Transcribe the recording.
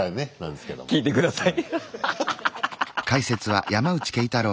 「聴いて下さい」。